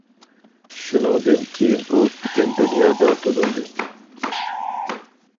شۇنىڭدىن كېيىن ئۇ پۈتۈن دۇنيادا تونۇلدى.